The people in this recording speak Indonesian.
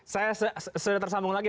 saya tersambung lagi